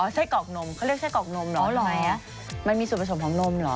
อ๋อไส้กอกนมเขาเรียกไส้กอกนมเหรออ๋อเหรอทำไมอ่ะมันมีสุขสมพร้อมนมเหรอ